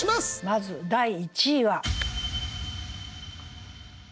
まず第１位は。